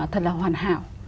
thật là hoàn hảo